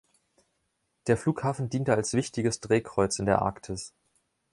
Der Flughafen diente als wichtiges Drehkreuz in der Arktis.